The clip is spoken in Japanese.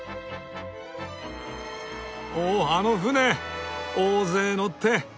おおあの船大勢乗って。